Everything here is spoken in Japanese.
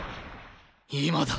今だ。